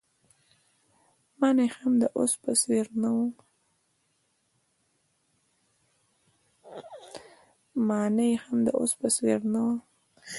مانا يې هم د اوس په څېر نه وه.